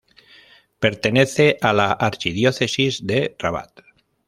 Pertenece a la archidiócesis de Rabat.